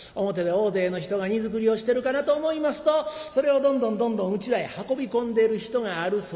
表で大勢の人が荷造りをしてるかなと思いますとそれをどんどんどんどん内らへ運び込んでいる人がある。